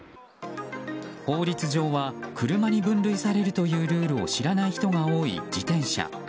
法律上は車に分類されるというルールを知らない人が多い自転車。